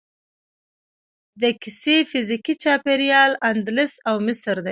د کیسې فزیکي چاپیریال اندلس او مصر دی.